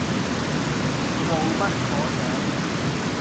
傲不可長